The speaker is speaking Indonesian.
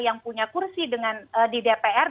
yang punya kursi dengan di dpr